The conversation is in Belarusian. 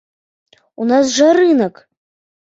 У нас жа рынак!